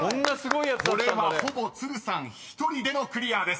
［これはほぼ都留さん１人でのクリアです］